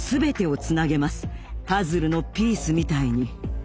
パズルのピースみたいに。